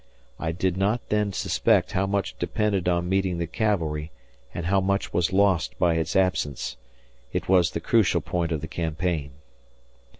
I did not then suspect how much depended on meeting the cavalry and how much was lost by its absence. It was the crucial point of the campaign.